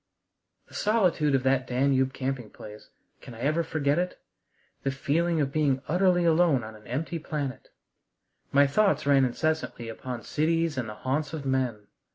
The solitude of that Danube camping place, can I ever forget it? The feeling of being utterly alone on an empty planet! My thoughts ran incessantly upon cities and the haunts of men.